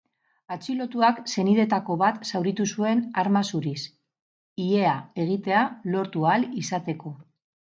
Atxilotuak senideetako bat zauritu zuen arma zuriz, ihea egitea lortu ahal izateko.